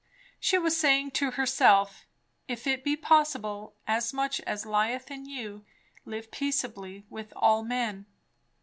She was saying to herself, "If it be possible, as much as lieth in you, live peaceably with all men."